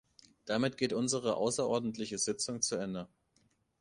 Damit geht unsere außerordentliche Sitzung zu Ende.